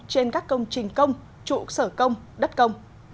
trên các công trình công trụ sở công đất công